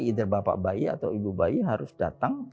either bapak bayi atau ibu bayi harus datang